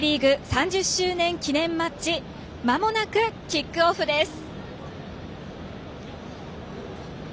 ３０周年記念マッチまもなくキックオフです。